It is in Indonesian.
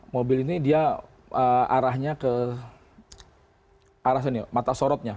mobil ini dia arahnya ke arah sini mata sorotnya